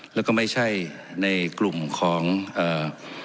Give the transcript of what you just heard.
แล้วก็ไม่ใช่ในกลุ่มของเอ่อ